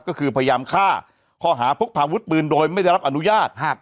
ก็คือพยายามฆ่าข้อหาพกพาอาวุธปืนโดยไม่ได้รับอนุญาต